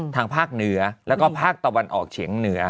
ทางภาคเหนือแล้วก็ภาคตะวันออกเฉียงเหนือ